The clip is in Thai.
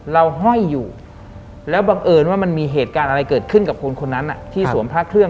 ห้อยอยู่แล้วบังเอิญว่ามันมีเหตุการณ์อะไรเกิดขึ้นกับคนคนนั้นที่สวมพระเครื่อง